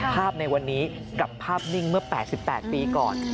ในวันนี้กับภาพนิ่งเมื่อ๘๘ปีก่อน